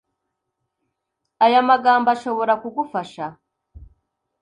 Aya magambo ashobora kugufasha